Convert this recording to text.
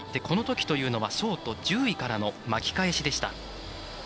このときというのはショート１０位からの巻き返しでした。